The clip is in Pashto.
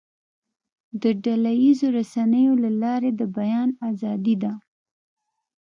د ډله ییزو رسنیو له لارې د بیان آزادي ده.